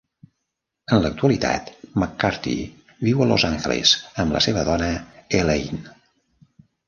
En l'actualitat, McCarthy viu a Los Angeles amb la seva dona Elaine.